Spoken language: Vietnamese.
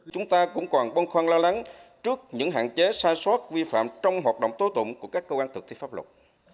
chúng ta cũng còn bông khoan lao lắng trước những hạn chế sai sót vi phạm trong hoạt động tố tụng của các cơ quan thực thi pháp luật